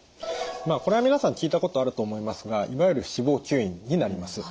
まあこれは皆さん聞いたことあると思いますがいわゆる脂肪吸引になります。